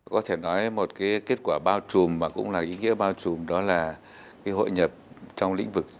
có thể nói một kết quả bao trùm và cũng là ý nghĩa bao trùm đó là hội nhập trong lĩnh vực